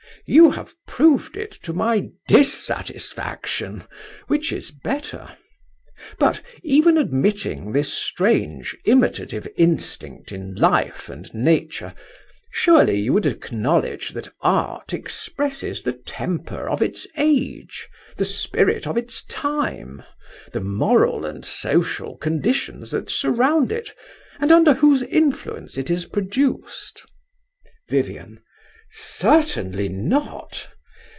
You have proved it to my dissatisfaction, which is better. But even admitting this strange imitative instinct in Life and Nature, surely you would acknowledge that Art expresses the temper of its age, the spirit of its time, the moral and social conditions that surround it, and under whose influence it is produced. VIVIAN. Certainly not!